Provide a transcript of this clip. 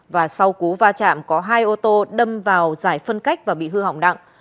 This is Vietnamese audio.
và sau cú va chạm có hai ô tô đâm vào giải phân cách và bị hư hỏng đặng